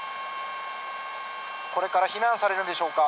これから避難されるんでしょうか。